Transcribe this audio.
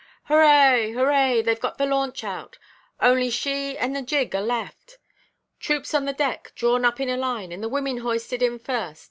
"Hurrah, hurrah! theyʼve got the launch out; only she and the gig are left. Troops on the deck, drawn up in a line, and the women hoisted in first.